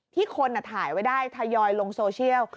ที่คนถ่ายไว้ได้ทยอยลงโซเชียล